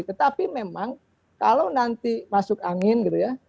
tetapi memang kalau nanti masuk angin gitu ya